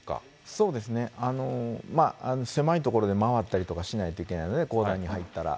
そうですね、狭い所で回ったりとかしないといけないので、港内に入ったら。